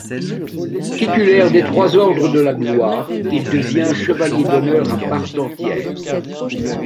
Titulaire des trois ordres de la Gloire, il devient Chevalier d’honneur à part entière.